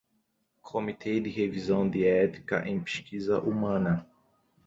Comitê de Revisão de Ética em Pesquisa Humana